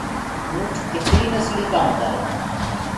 اونَٺا ڪتري نسلي ڪو هوندآ هين